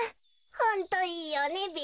ホントいいよねべ。